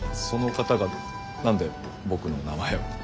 その方が何で僕の名前を。